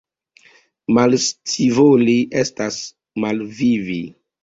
Malscivoli estas malvivi.